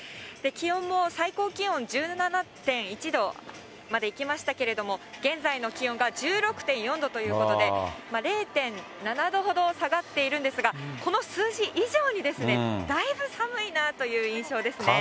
気温も最高気温１７．１度までいきましたけれども、現在の気温が１６．４度ということで、０．７度ほど下がっているんですが、この数字以上にだいぶ寒いなという印象ですね。